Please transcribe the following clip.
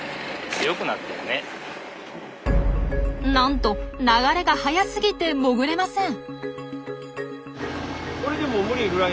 なんと流れが速すぎて潜れません。